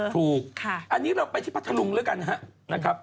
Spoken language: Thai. ถูกอันนี้เราไปที่พัทธรุงแล้วกันนะครับ